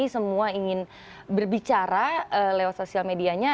semua ingin berbicara lewat sosial medianya